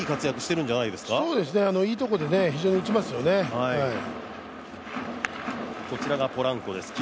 いいところで非常に打ちますよね。